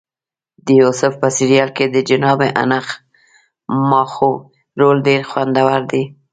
د یوسف په سریال کې د جناب انخماخو رول ډېر خوندور دی.